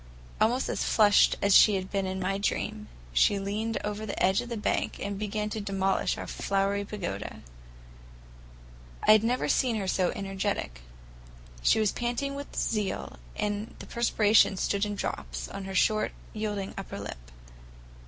Almost as flushed as she had been in my dream, she leaned over the edge of the bank and began to demolish our flowery pagoda. I had never seen her so energetic; she was panting with zeal, and the perspiration stood in drops on her short, yielding upper lip.